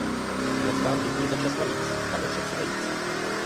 Moc vám děkuji za čas navíc, pane předsedající.